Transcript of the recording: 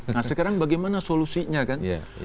nah sekarang bagaimana solusinya kan